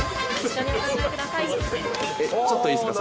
ちょっといいっすか？